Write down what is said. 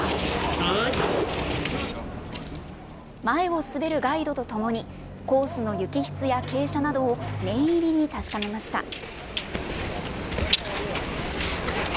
前を滑るガイドと共に、コースの雪質や傾斜などを念入りに確かめました。